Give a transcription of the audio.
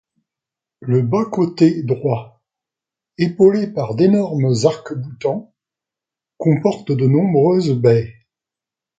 Le bas-coté droit, épaulé par d'énormes arcs-boutants, comporte de nombreuses baies.